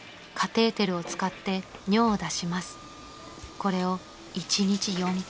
［これを１日４回］